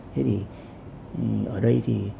thế thì ở đây thì